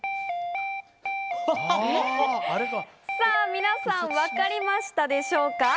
皆さん、分かりましたでしょうか？